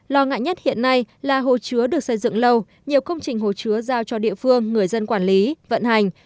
lo ngại nhất hiện nay là hồ chứa được xây dựng lâu nhiều công trình hồ chứa giao cho địa phương người dân quản lý vận hành